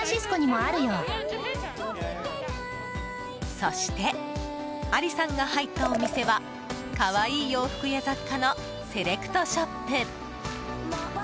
そしてアリさんが入ったお店は可愛い洋服や雑貨のセレクトショップ。